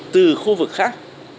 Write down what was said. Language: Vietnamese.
từ khu vực khác